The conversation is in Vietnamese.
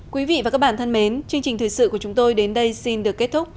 quý vị và các bạn thân mến chương trình thời sự của chúng tôi đến đây xin được kết thúc